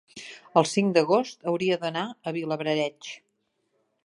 el cinc d'agost hauria d'anar a Vilablareix.